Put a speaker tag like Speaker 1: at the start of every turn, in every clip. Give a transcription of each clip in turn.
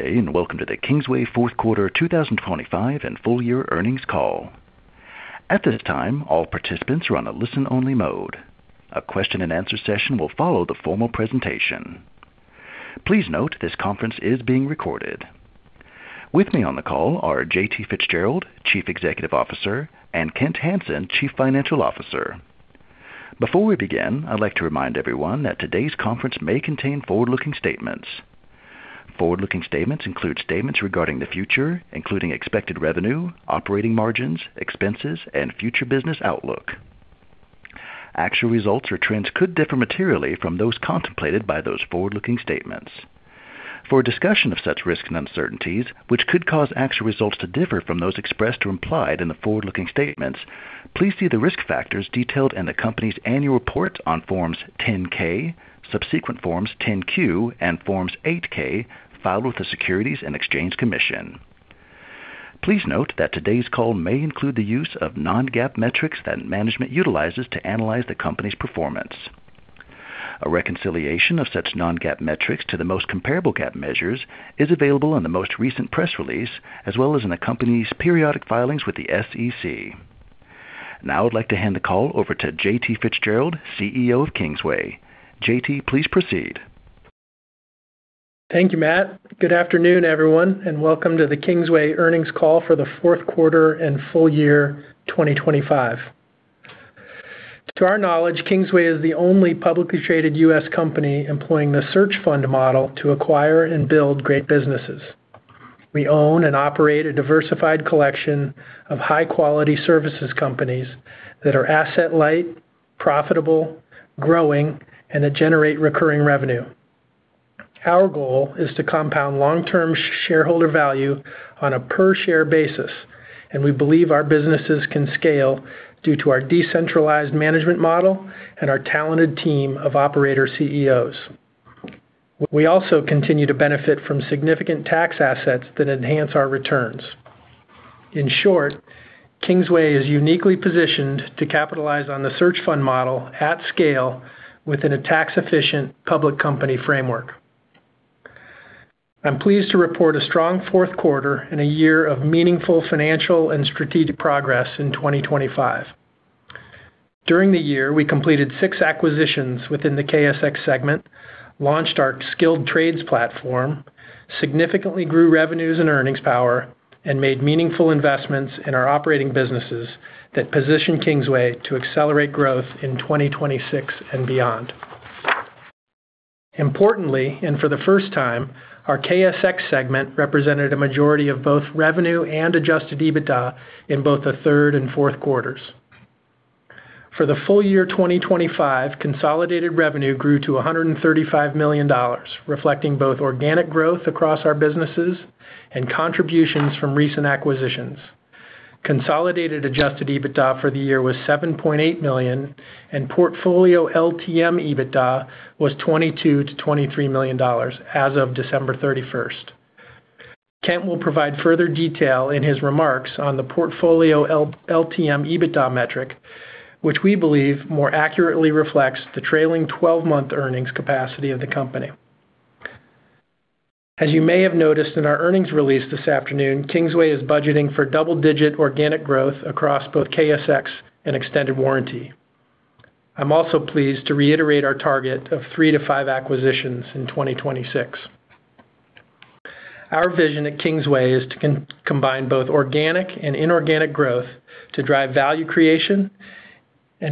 Speaker 1: Good day, and welcome to the Kingsway fourth quarter 2025 and full year earnings call. At this time, all participants are on a listen-only mode. A question-and-answer session will follow the formal presentation. Please note this conference is being recorded. With me on the call are JT Fitzgerald, Chief Executive Officer, and Kent Hansen, Chief Financial Officer. Before we begin, I'd like to remind everyone that today's conference may contain forward-looking statements. Forward-looking statements include statements regarding the future, including expected revenue, operating margins, expenses, and future business outlook. Actual results or trends could differ materially from those contemplated by those forward-looking statements. For a discussion of such risks and uncertainties, which could cause actual results to differ from those expressed or implied in the forward-looking statements, please see the risk factors detailed in the company's annual report on Form 10-K, subsequent Forms 10-Q, and Forms 8-K filed with the Securities and Exchange Commission. Please note that today's call may include the use of non-GAAP metrics that management utilizes to analyze the company's performance. A reconciliation of such non-GAAP metrics to the most comparable GAAP measures is available in the most recent press release as well as in the company's periodic filings with the SEC. Now I'd like to hand the call over to JT Fitzgerald, CEO of Kingsway. JT, please proceed.
Speaker 2: Thank you, Matt. Good afternoon, everyone, and welcome to the Kingsway earnings call for the fourth quarter and full year 2025. To our knowledge, Kingsway is the only publicly traded U.S. company employing the search fund model to acquire and build great businesses. We own and operate a diversified collection of high-quality services companies that are asset light, profitable, growing, and that generate recurring revenue. Our goal is to compound long-term shareholder value on a per-share basis, and we believe our businesses can scale due to our decentralized management model and our talented team of operator CEOs. We also continue to benefit from significant tax assets that enhance our returns. In short, Kingsway is uniquely positioned to capitalize on the search fund model at scale within a tax-efficient public company framework. I'm pleased to report a strong fourth quarter and a year of meaningful financial and strategic progress in 2025. During the year, we completed six acquisitions within the KSX segment, launched our Skilled Trades platform, significantly grew revenues and earnings power, and made meaningful investments in our operating businesses that position Kingsway to accelerate growth in 2026 and beyond. Importantly, and for the first time, our KSX segment represented a majority of both revenue and adjusted EBITDA in both the third and fourth quarters. For the full year 2025, consolidated revenue grew to $135 million, reflecting both organic growth across our businesses and contributions from recent acquisitions. Consolidated adjusted EBITDA for the year was $7.8 million, and portfolio LTM EBITDA was $22 million-$23 million as of December 31st. Kent will provide further detail in his remarks on the portfolio LTM EBITDA metric, which we believe more accurately reflects the trailing twelve-month earnings capacity of the company. As you may have noticed in our earnings release this afternoon, Kingsway is budgeting for double-digit organic growth across both KSX and Extended Warranty. I'm also pleased to reiterate our target of three to five acquisitions in 2026. Our vision at Kingsway is to combine both organic and inorganic growth to drive value creation.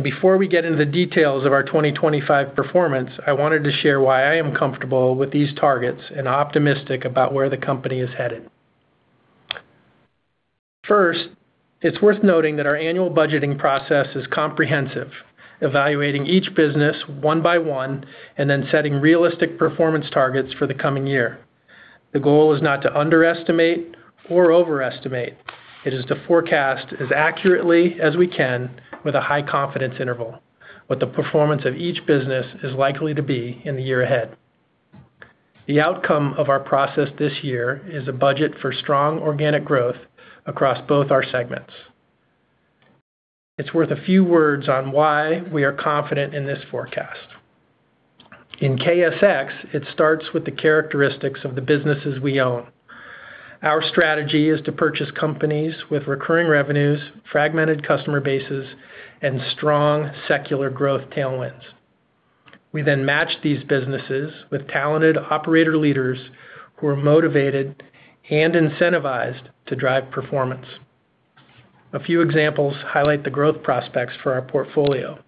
Speaker 2: Before we get into the details of our 2025 performance, I wanted to share why I am comfortable with these targets and optimistic about where the company is headed. First, it's worth noting that our annual budgeting process is comprehensive, evaluating each business one by one, and then setting realistic performance targets for the coming year. The goal is not to underestimate or overestimate. It is to forecast as accurately as we can with a high confidence interval what the performance of each business is likely to be in the year ahead. The outcome of our process this year is a budget for strong organic growth across both our segments. It's worth a few words on why we are confident in this forecast. In KSX, it starts with the characteristics of the businesses we own. Our strategy is to purchase companies with recurring revenues, fragmented customer bases, and strong secular growth tailwinds. We then match these businesses with talented operator leaders who are motivated and incentivized to drive performance. A few examples highlight the growth prospects for our portfolio.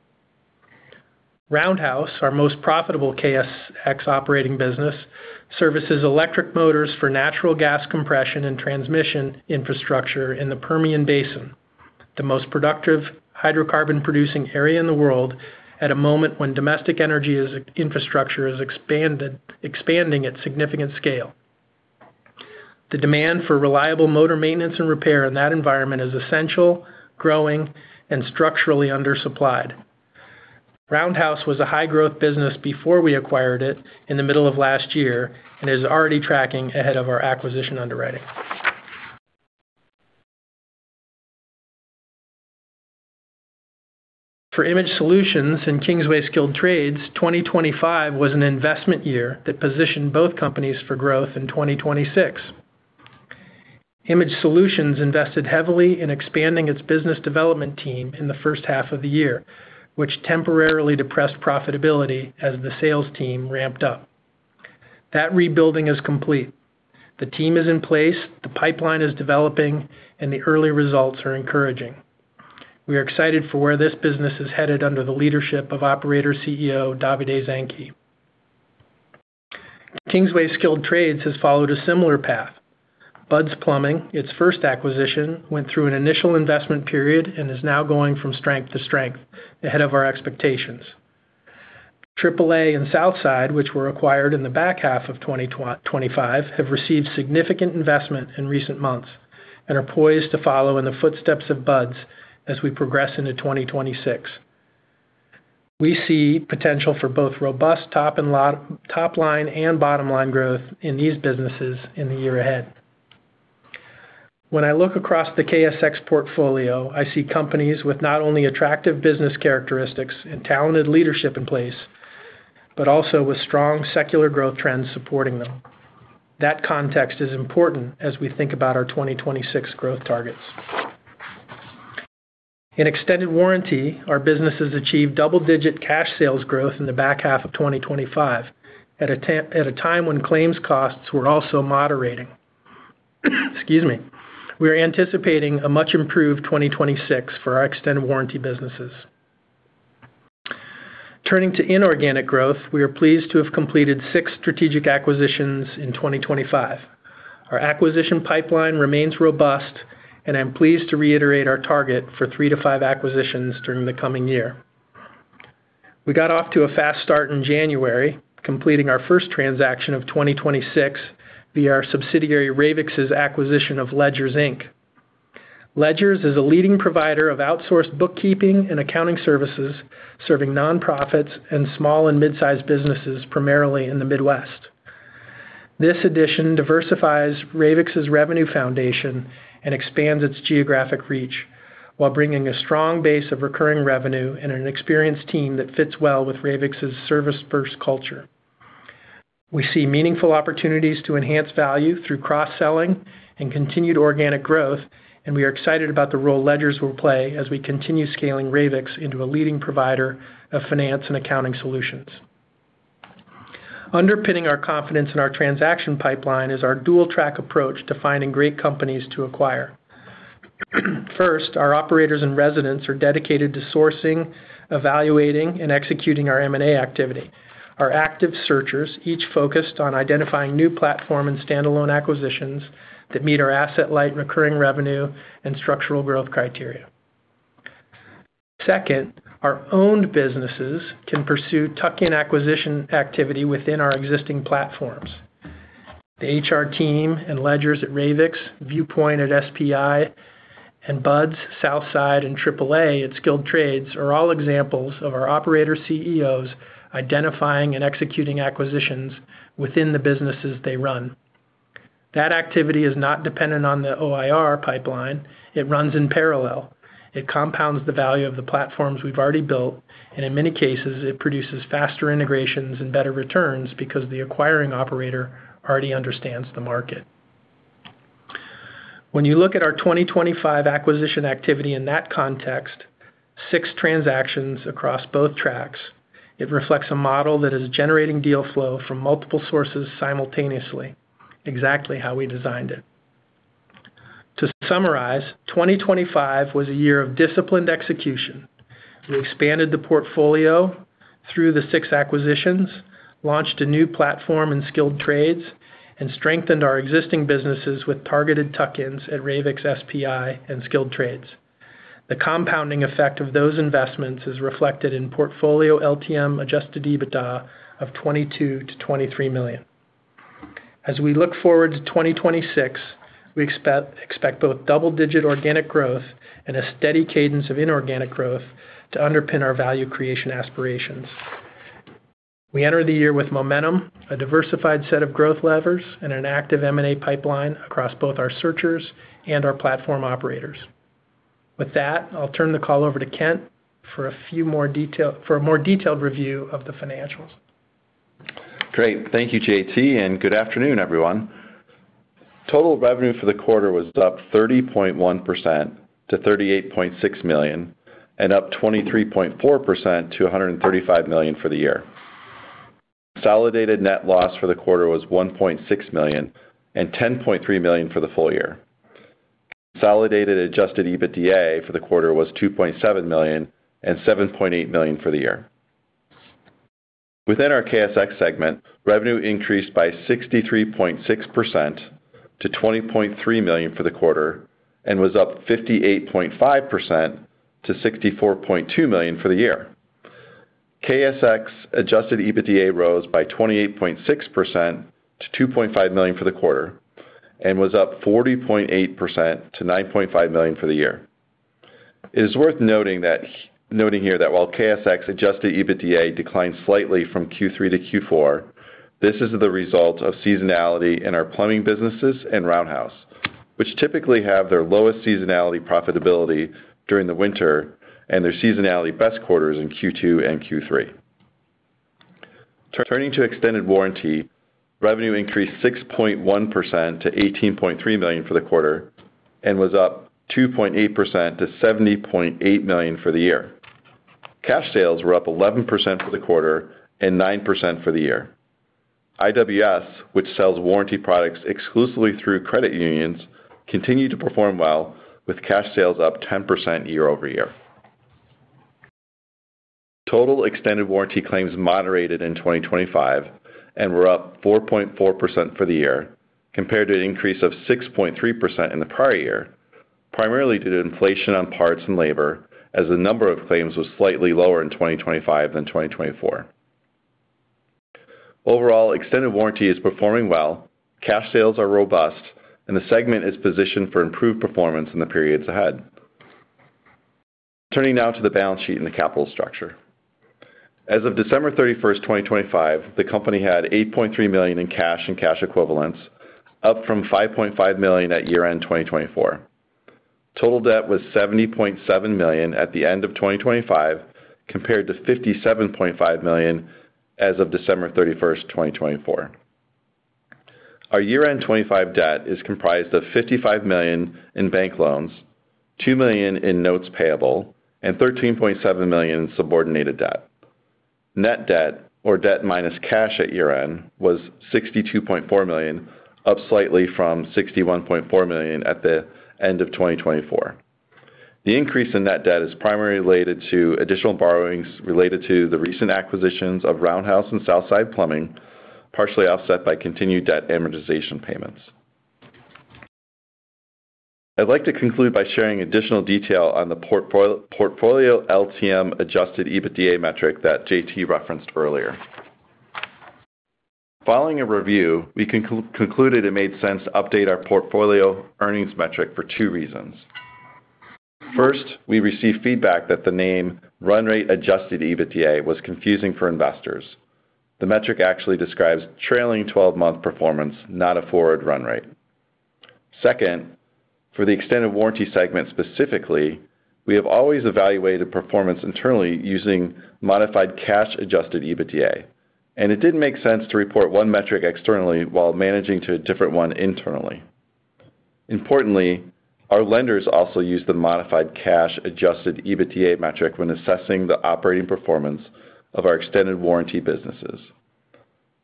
Speaker 2: Roundhouse, our most profitable KSX operating business, services electric motors for natural gas compression and transmission infrastructure in the Permian Basin, the most productive hydrocarbon producing area in the world at a moment when domestic energy infrastructure is expanding at significant scale. The demand for reliable motor maintenance and repair in that environment is essential, growing, and structurally undersupplied. Roundhouse was a high-growth business before we acquired it in the middle of last year and is already tracking ahead of our acquisition underwriting. For Image Solutions and Kingsway Skilled Trades, 2025 was an investment year that positioned both companies for growth in 2026. Image Solutions invested heavily in expanding its business development team in the first half of the year, which temporarily depressed profitability as the sales team ramped up. That rebuilding is complete. The team is in place, the pipeline is developing, and the early results are encouraging. We are excited for where this business is headed under the leadership of Operator CEO Davide Zanchi. Kingsway Skilled Trades has followed a similar path. Bud's Plumbing, its first acquisition, went through an initial investment period and is now going from strength to strength ahead of our expectations. AAA and Southside, which were acquired in the back half of 2025, have received significant investment in recent months and are poised to follow in the footsteps of Bud's as we progress into 2026. We see potential for both robust top line and bottom line growth in these businesses in the year ahead. When I look across the KSX portfolio, I see companies with not only attractive business characteristics and talented leadership in place, but also with strong secular growth trends supporting them. That context is important as we think about our 2026 growth targets. In Extended Warranty, our businesses achieved double-digit cash sales growth in the back half of 2025 at a time when claims costs were also moderating. Excuse me. We are anticipating a much improved 2026 for our Extended Warranty businesses. Turning to inorganic growth, we are pleased to have completed six strategic acquisitions in 2025. Our acquisition pipeline remains robust, and I'm pleased to reiterate our target for three to five acquisitions during the coming year. We got off to a fast start in January, completing our first transaction of 2026 via our subsidiary Ravix's acquisition of Ledgers, Inc. Ledgers is a leading provider of outsourced bookkeeping and accounting services, serving nonprofits and small and mid-sized businesses, primarily in the Midwest. This addition diversifies Ravix's revenue foundation and expands its geographic reach while bringing a strong base of recurring revenue and an experienced team that fits well with Ravix's service-first culture. We see meaningful opportunities to enhance value through cross-selling and continued organic growth, and we are excited about the role Ledgers will play as we continue scaling Ravix into a leading provider of finance and accounting solutions. Underpinning our confidence in our transaction pipeline is our dual-track approach to finding great companies to acquire. First, our operators and residents are dedicated to sourcing, evaluating, and executing our M&A activity. Our active searchers each focused on identifying new platform and standalone acquisitions that meet our asset-light recurring revenue and structural growth criteria. Second, our owned businesses can pursue tuck-in acquisition activity within our existing platforms. The HR team and Ledgers at Ravix, ViewPoint at SPI, and Bud's, Southside, And AAA at Skilled Trades are all examples of our operator CEOs identifying and executing acquisitions within the businesses they run. That activity is not dependent on the OIR pipeline. It runs in parallel. It compounds the value of the platforms we've already built, and in many cases, it produces faster integrations and better returns because the acquiring operator already understands the market. When you look at our 2025 acquisition activity in that context, six transactions across both tracks, it reflects a model that is generating deal flow from multiple sources simultaneously. Exactly how we designed it. To summarize, 2025 was a year of disciplined execution. We expanded the portfolio through the six acquisitions, launched a new platform in Kingsway Skilled Trades, and strengthened our existing businesses with targeted tuck-ins at Ravix Group, SPI, and Kingsway Skilled Trades. The compounding effect of those investments is reflected in portfolio LTM adjusted EBITDA of $22 million-$23 million. As we look forward to 2026, we expect both double-digit organic growth and a steady cadence of inorganic growth to underpin our value creation aspirations. We enter the year with momentum, a diversified set of growth levers, and an active M&A pipeline across both our searchers and our platform operators. With that, I'll turn the call over to Kent for a more detailed review of the financials.
Speaker 3: Great. Thank you, JT, and good afternoon, everyone. Total revenue for the quarter was up 30.1% to $38.6 million and up 23.4% to $135 million for the year. Consolidated net loss for the quarter was $1.6 million and $10.3 million for the full year. Consolidated adjusted EBITDA for the quarter was $2.7 million and $7.8 million for the year. Within our KSX segment, revenue increased by 63.6% to $20.3 million for the quarter and was up 58.5% to $64.2 million for the year. KSX adjusted EBITDA rose by 28.6% to $2.5 million for the quarter and was up 40.8% to $9.5 million for the year. It is worth noting here that while KSX adjusted EBITDA declined slightly from Q3 to Q4, this is the result of seasonality in our plumbing businesses and Roundhouse, which typically have their lowest seasonal profitability during the winter and their best seasonal quarters in Q2 and Q3. Turning to Extended Warranty, revenue increased 6.1% to $18.3 million for the quarter and was up 2.8% to $70.8 million for the year. Cash sales were up 11% for the quarter and 9% for the year. IWS, which sells warranty products exclusively through credit unions, continued to perform well, with cash sales up 10% year-over-year. Total extended warranty claims moderated in 2025 and were up 4.4% for the year compared to an increase of 6.3% in the prior year, primarily due to inflation on parts and labor as the number of claims was slightly lower in 2025 than 2024. Overall, Extended Warranty is performing well, cash sales are robust, and the segment is positioned for improved performance in the periods ahead. Turning now to the balance sheet and the capital structure. As of December 31st, 2025, the company had $8.3 million in cash and cash equivalents, up from $5.5 million at year-end 2024. Total debt was $70.7 million at the end of 2025, compared to $57.5 million as of December 31st, 2024. Our year-end 2025 debt is comprised of $55 million in bank loans, $2 million in notes payable, and $13.7 million in subordinated debt. Net debt or debt minus cash at year-end was $62.4 million, up slightly from $61.4 million at the end of 2024. The increase in net debt is primarily related to additional borrowings related to the recent acquisitions of Roundhouse and Southside Plumbing, partially offset by continued debt amortization payments. I'd like to conclude by sharing additional detail on the portfolio LTM adjusted EBITDA metric that JT referenced earlier. Following a review, we concluded it made sense to update our portfolio earnings metric for two reasons. First, we received feedback that the name run-rate adjusted EBITDA was confusing for investors. The metric actually describes trailing twelve-month performance, not a forward run rate. Second, for the extended warranty segment specifically, we have always evaluated performance internally using modified cash adjusted EBITDA, and it didn't make sense to report one metric externally while managing to a different one internally. Importantly, our lenders also use the modified cash adjusted EBITDA metric when assessing the operating performance of our Extended Warranty businesses.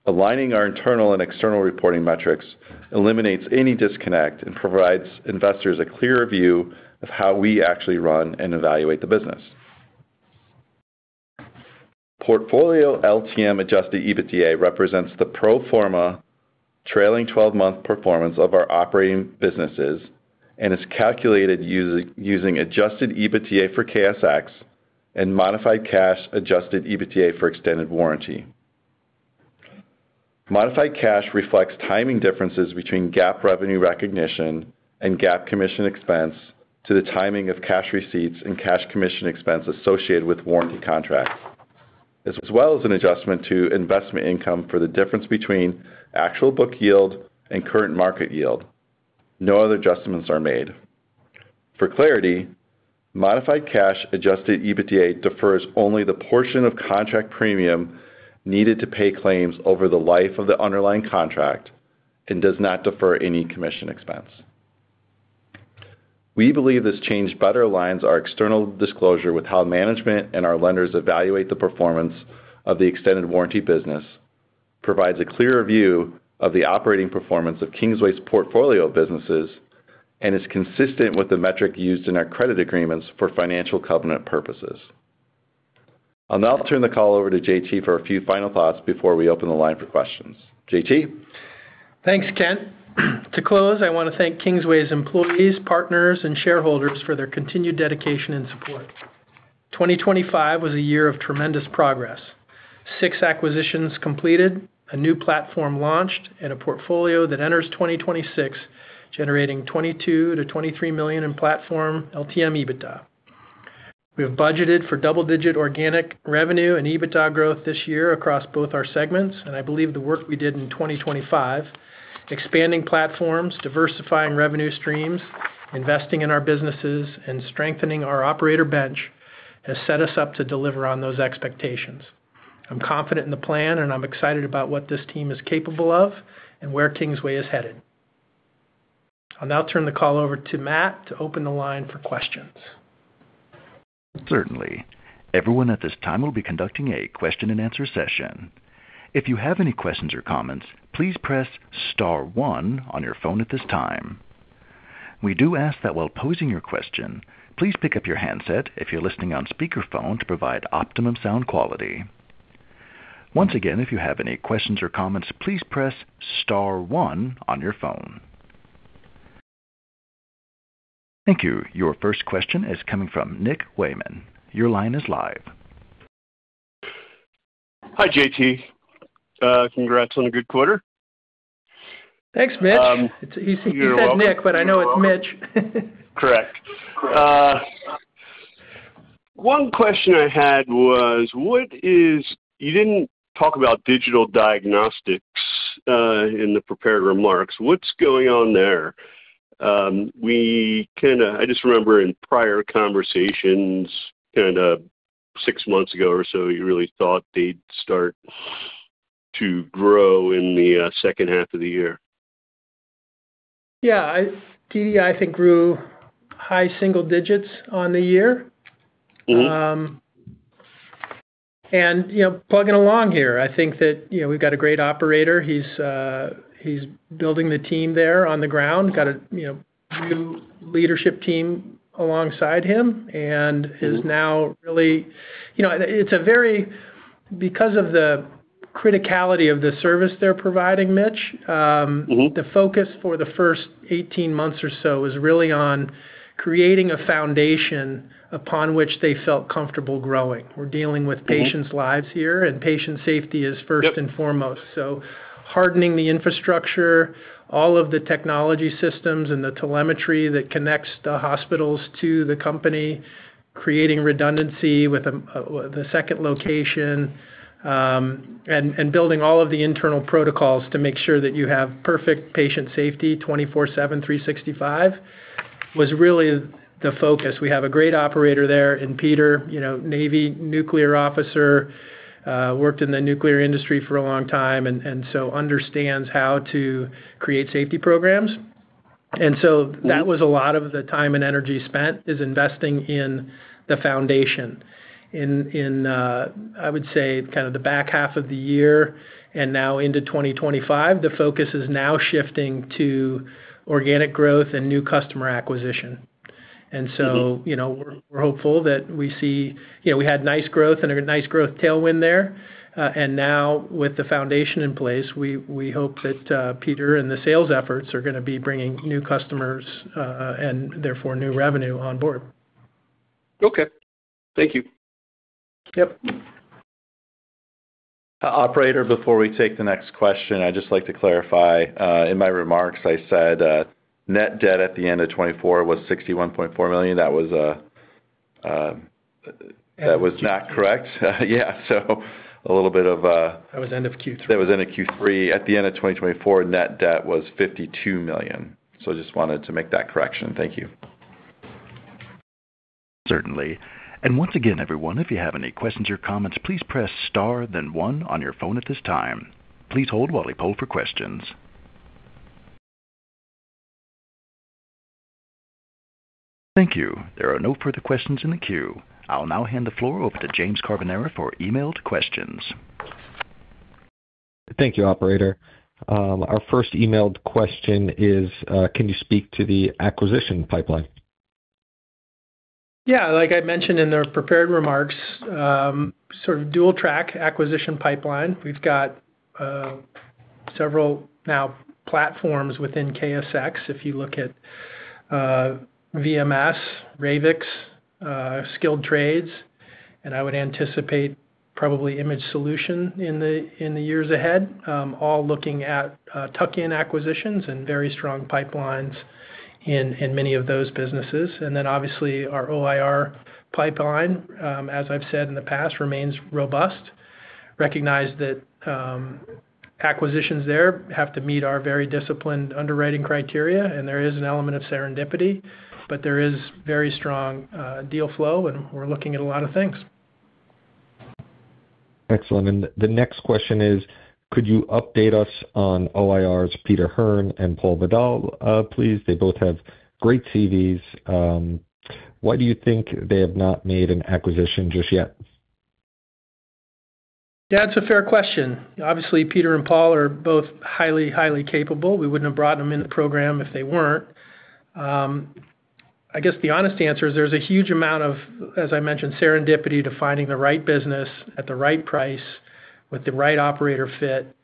Speaker 3: Aligning our internal and external reporting metrics eliminates any disconnect and provides investors a clearer view of how we actually run and evaluate the business. Portfolio LTM adjusted EBITDA represents the pro forma trailing 12-month performance of our operating businesses and is calculated using adjusted EBITDA for KSX and modified cash adjusted EBITDA for Extended Warranty. Modified cash reflects timing differences between GAAP revenue recognition and GAAP commission expense to the timing of cash receipts and cash commission expense associated with warranty contracts, as well as an adjustment to investment income for the difference between actual book yield and current market yield. No other adjustments are made. For clarity, modified cash adjusted EBITDA defers only the portion of contract premium needed to pay claims over the life of the underlying contract and does not defer any commission expense. We believe this change better aligns our external disclosure with how management and our lenders evaluate the performance of the Extended Warranty business, provides a clearer view of the operating performance of Kingsway's portfolio of businesses, and is consistent with the metric used in our credit agreements for financial covenant purposes. I'll now turn the call over to JT for a few final thoughts before we open the line for questions. JT.
Speaker 2: Thanks, Kent. To close, I want to thank Kingsway's employees, partners, and shareholders for their continued dedication and support. 2025 was a year of tremendous progress. Six acquisitions completed, a new platform launched, and a portfolio that enters 2026 generating $22 million-$23 million in platform LTM EBITDA. We have budgeted for double-digit organic revenue and EBITDA growth this year across both our segments, and I believe the work we did in 2025, expanding platforms, diversifying revenue streams, investing in our businesses, and strengthening our operator bench has set us up to deliver on those expectations. I'm confident in the plan, and I'm excited about what this team is capable of and where Kingsway is headed. I'll now turn the call over to Matt to open the line for questions.
Speaker 1: Certainly. Everyone at this time will be conducting a question and answer session. If you have any questions or comments, please press star one on your phone at this time. We do ask that while posing your question, please pick up your handset if you're listening on speakerphone to provide optimum sound quality. Once again, if you have any questions or comments, please press star one on your phone. Thank you. Your first question is coming from Mitch Weiman. Your line is live.
Speaker 4: Hi, JT. Congrats on a good quarter.
Speaker 2: Thanks, Mitch.
Speaker 4: You're welcome.
Speaker 2: You said Nick, but I know it's Mitch.
Speaker 4: Correct. One question I had was, you didn't talk about Digital Diagnostics in the prepared remarks. What's going on there? I just remember in prior conversations, kind of six months ago or so, you really thought they'd start to grow in the second half of the year.
Speaker 2: Yeah. DDI, I think, grew high single digits on the year.
Speaker 4: Mm-hmm.
Speaker 2: You know, plugging along here, I think that, you know, we've got a great operator. He's building the team there on the ground. Got a, you know, new leadership team alongside him.
Speaker 4: Mm-hmm.
Speaker 2: Is now really. You know, it's because of the criticality of the service they're providing, Mitch.
Speaker 4: Mm-hmm.
Speaker 2: The focus for the first 18 months or so is really on creating a foundation upon which they felt comfortable growing. We're dealing with-
Speaker 4: Mm-hmm.
Speaker 2: Patients' lives here, and patient safety is first and foremost.
Speaker 4: Yep.
Speaker 2: Hardening the infrastructure, all of the technology systems and the telemetry that connects the hospitals to the company, creating redundancy with a second location, and building all of the internal protocols to make sure that you have perfect patient safety 24/7, 365, was really the focus. We have a great operator there in Peter, you know, Navy nuclear officer, worked in the nuclear industry for a long time and so understands how to create safety programs.
Speaker 4: Mm-hmm.
Speaker 2: That was a lot of the time and energy spent is investing in the foundation. In I would say kind of the back half of the year and now into 2025, the focus is now shifting to organic growth and new customer acquisition.
Speaker 4: Mm-hmm.
Speaker 2: You know, we're hopeful that we see. You know, we had nice growth and a nice growth tailwind there. Now with the foundation in place, we hope that Peter and the sales efforts are gonna be bringing new customers and therefore new revenue on board.
Speaker 4: Okay. Thank you.
Speaker 2: Yep.
Speaker 3: Operator, before we take the next question, I'd just like to clarify. In my remarks, I said net debt at the end of 2024 was $61.4 million. That was not correct. Yeah. A little bit of-
Speaker 2: That was end of Q3.
Speaker 3: That was end of Q3. At the end of 2024, net debt was $52 million. I just wanted to make that correction. Thank you.
Speaker 1: Certainly. Once again, everyone, if you have any questions or comments, please press star then one on your phone at this time. Please hold while we poll for questions. Thank you. There are no further questions in the queue. I'll now hand the floor over to James Carbonara for emailed questions.
Speaker 5: Thank you, operator. Our first emailed question is, can you speak to the acquisition pipeline?
Speaker 2: Yeah. Like I mentioned in the prepared remarks, sort of dual track acquisition pipeline. We've got several now platforms within KSX. If you look at VMS, Ravix, Skilled Trades, and I would anticipate probably Image Solutions in the years ahead, all looking at tuck-in acquisitions and very strong pipelines in many of those businesses. Obviously our OIR pipeline, as I've said in the past, remains robust. Recognize that acquisitions there have to meet our very disciplined underwriting criteria, and there is an element of serendipity, but there is very strong deal flow, and we're looking at a lot of things.
Speaker 5: Excellent. The next question is, could you update us on OIR's Peter Hearne and Paul Vidal, please? They both have great CVs. Why do you think they have not made an acquisition just yet?
Speaker 2: That's a fair question. Obviously, Peter and Paul are both highly capable. We wouldn't have brought them in the program if they weren't. I guess the honest answer is there's a huge amount of, as I mentioned, serendipity to finding the right business at the right price with the right operator fit,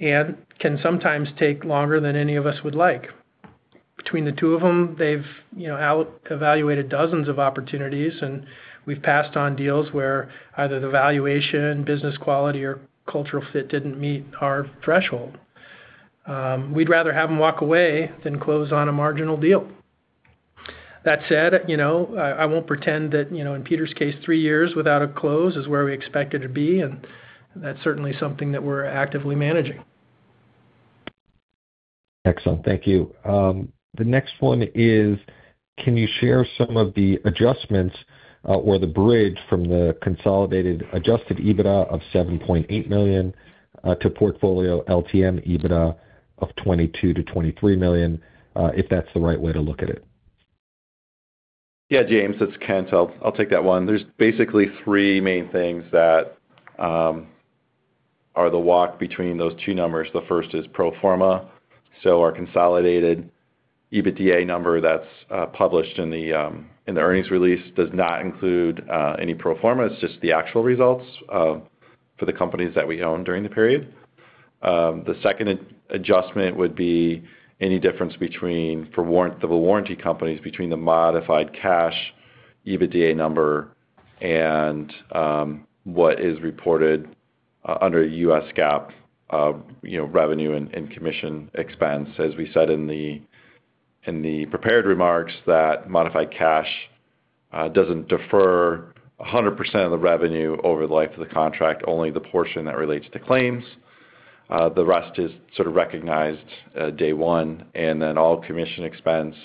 Speaker 2: and can sometimes take longer than any of us would like. Between the two of them, they've, you know, out-evaluated dozens of opportunities, and we've passed on deals where either the valuation, business quality, or cultural fit didn't meet our threshold. We'd rather have them walk away than close on a marginal deal. That said, you know, I won't pretend that, you know, in Peter's case, three years without a close is where we expect it to be, and that's certainly something that we're actively managing.
Speaker 5: Excellent. Thank you. The next one is, can you share some of the adjustments, or the bridge from the consolidated adjusted EBITDA of $7.8 million to portfolio LTM EBITDA of $22 million-$23 million, if that's the right way to look at it?
Speaker 3: Yeah, James, it's Kent. I'll take that one. There's basically three main things that are the walk between those two numbers. The first is pro forma. Our consolidated EBITDA number that's published in the earnings release does not include any pro forma. It's just the actual results for the companies that we own during the period. The second adjustment would be any difference between, for the warranty companies, the modified cash EBITDA number and what is reported under U.S. GAAP, you know, revenue and commission expense. As we said in the prepared remarks that modified cash doesn't defer 100% of the revenue over the life of the contract, only the portion that relates to claims. The rest is sort of recognized day one and then all commission expenses,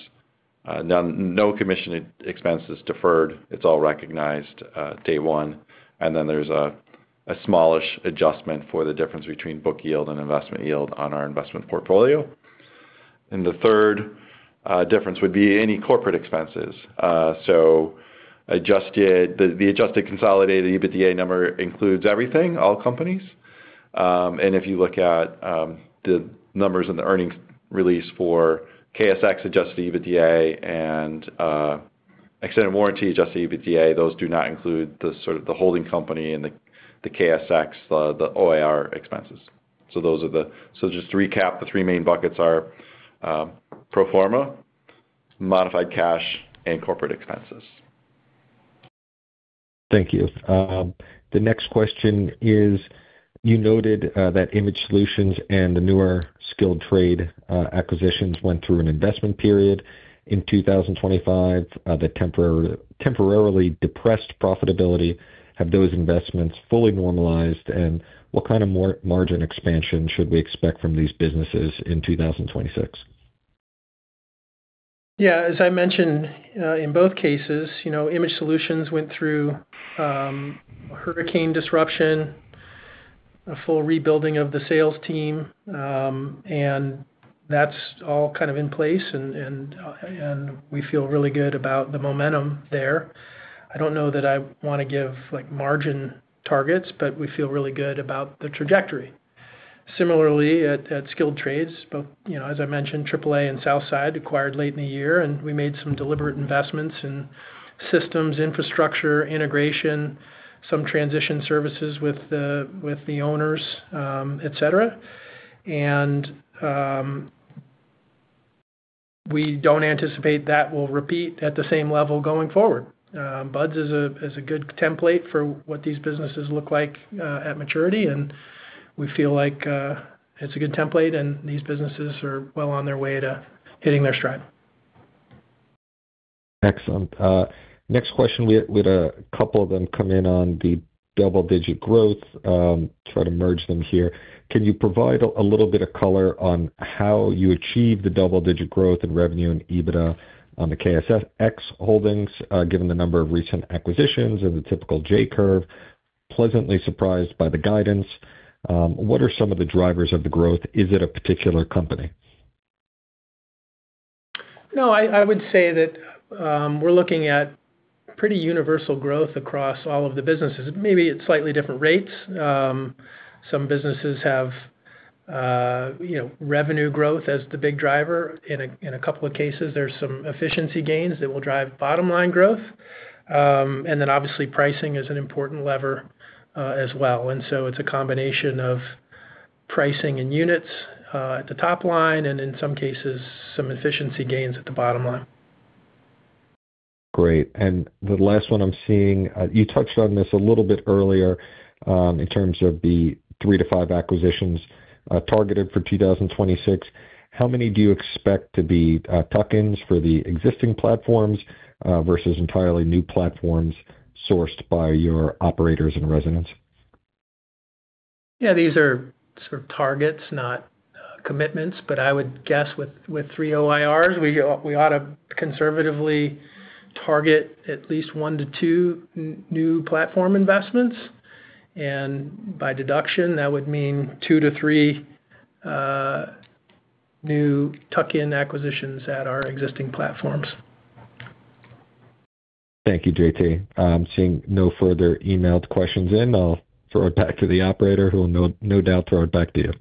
Speaker 3: none deferred. It's all recognized day one. Then there's a small-ish adjustment for the difference between book yield and investment yield on our investment portfolio. The third difference would be any corporate expenses. The adjusted consolidated EBITDA number includes everything, all companies. If you look at the numbers in the earnings release for KSX adjusted EBITDA and Extended Warranty adjusted EBITDA, those do not include the sort of the holding company and the KSX, the OIR expenses. Just to recap, the three main buckets are pro forma, modified cash, and corporate expenses.
Speaker 5: Thank you. The next question is, you noted that Image Solutions and the newer Skilled Trades acquisitions went through an investment period in 2025 that temporarily depressed profitability. Have those investments fully normalized? And what kind of margin expansion should we expect from these businesses in 2026?
Speaker 2: Yeah, as I mentioned, in both cases, you know, Image Solutions went through hurricane disruption, a full rebuilding of the sales team, and that's all kind of in place. We feel really good about the momentum there. I don't know that I wanna give like margin targets, but we feel really good about the trajectory. Similarly, at Skilled Trades, you know, as I mentioned, AAA and Southside acquired late in the year, and we made some deliberate investments in systems, infrastructure, integration, some transition services with the owners, et cetera. We don't anticipate that will repeat at the same level going forward. Bud's is a good template for what these businesses look like at maturity, and we feel like it's a good template, and these businesses are well on their way to hitting their stride.
Speaker 5: Excellent. Next question, we had a couple of them come in on the double-digit growth. Try to merge them here. Can you provide a little bit of color on how you achieve the double-digit growth in revenue and EBITDA on the KSX Holdings, given the number of recent acquisitions and the typical J-curve? Pleasantly surprised by the guidance. What are some of the drivers of the growth? Is it a particular company?
Speaker 2: No, I would say that we're looking at pretty universal growth across all of the businesses. Maybe at slightly different rates. Some businesses have, you know, revenue growth as the big driver. In a couple of cases, there's some efficiency gains that will drive bottom-line growth. Obviously pricing is an important lever as well. It's a combination of pricing and units at the top line, and in some cases, some efficiency gains at the bottom line.
Speaker 5: Great. The last one I'm seeing, you touched on this a little bit earlier, in terms of the three to five acquisitions targeted for 2026. How many do you expect to be tuck-ins for the existing platforms versus entirely new platforms sourced by your Operators-in-Residence?
Speaker 2: Yeah, these are sort of targets, not commitments, but I would guess with three OIRs, we ought to conservatively target at least one to two new platform investments. By deduction, that would mean two to three new tuck-in acquisitions at our existing platforms.
Speaker 5: Thank you, JT. I'm seeing no further emailed questions in. I'll throw it back to the operator, who will no doubt throw it back to you.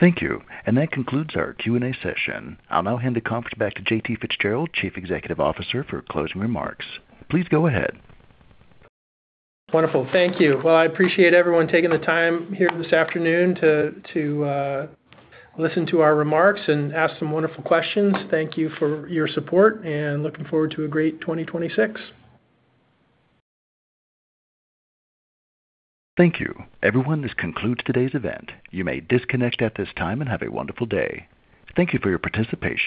Speaker 1: Thank you. That concludes our Q&A session. I'll now hand the conference back to JT Fitzgerald, Chief Executive Officer, for closing remarks. Please go ahead.
Speaker 2: Wonderful. Thank you. Well, I appreciate everyone taking the time here this afternoon to listen to our remarks and ask some wonderful questions. Thank you for your support, and looking forward to a great 2026.
Speaker 1: Thank you. Everyone, this concludes today's event. You may disconnect at this time and have a wonderful day. Thank you for your participation.